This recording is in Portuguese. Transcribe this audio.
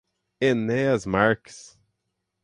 Enéas Marques